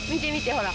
ほら。